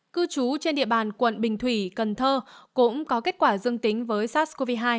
cư trú trên địa bàn quận bình thủy cần thơ cũng có kết quả dương tính với sars cov hai